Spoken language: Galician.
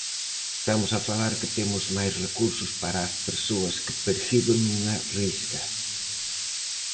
Estamos a falar que temos máis recursos para as persoas que perciben unha Risga.